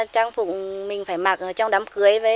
trang phục mình phải mặc trong đám cưới